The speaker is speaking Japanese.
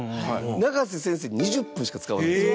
永瀬先生、２０分しか使わなかったんですよ。